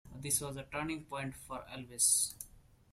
This was a turning point for Elvis.